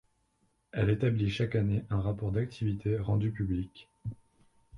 Elle établit chaque année un rapport d’activité rendu public.